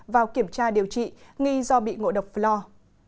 vào kiểm tra điều trị nghi do bị ngộ độc flore